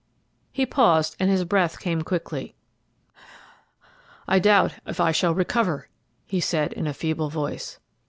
He paused, and his breath came quickly. "I doubt if I shall recover," he said in a feeble voice.